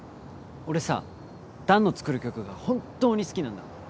俺さ弾の作る曲が本当に好きなんだ